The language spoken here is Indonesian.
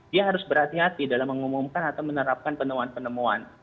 dia harus berhati hati dalam mengumumkan atau menerapkan penemuan penemuan